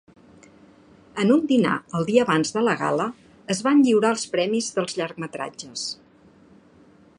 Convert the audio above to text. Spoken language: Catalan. En un dinar el dia abans de la gala, es van lliurar els premis dels llargmetratges.